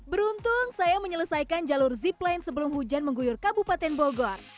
beruntung saya menyelesaikan jalur zipline sebelum hujan mengguyur kabupaten bogor